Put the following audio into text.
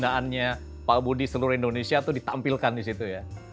bacaannya pak budi seluruh indonesia itu ditampilkan di situ ya